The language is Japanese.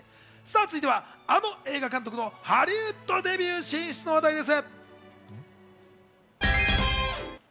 続いては、あの映画監督のハリウッドデビュー進出の話題です。